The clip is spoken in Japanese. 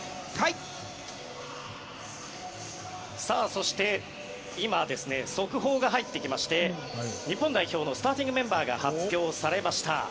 そして今、速報が入ってきまして日本代表のスターティングメンバーが発表されました。